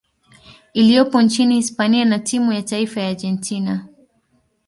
iliyopo nchini Hispania na timu ya taifa ya Argentina.